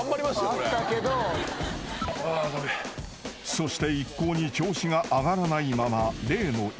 ［そして一向に調子が上がらないまま例のイスへ］